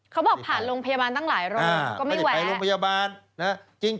เขาบอกผ่านโรงพยาบาลตั้งหลายโรงก็ไม่แวะ